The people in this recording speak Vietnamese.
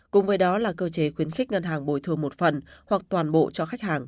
cùng với đó là cơ chế khuyến khích ngân hàng bồi thường một phần hoặc toàn bộ cho khách hàng